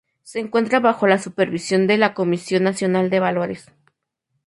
Se encuentra bajo la supervisión de la Comisión Nacional de Valores.